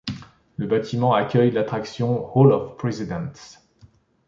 Le bâtiment accueille l'attraction Hall of Presidents.